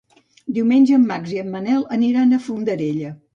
Diumenge en Max i en Manel aniran a Fondarella.